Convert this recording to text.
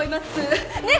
ねっ？